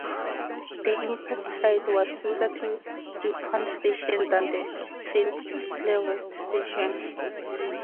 The impact site was closer to Dupont Station than to Saint Clair West Station.